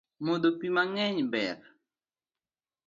Modho pii mangeny ber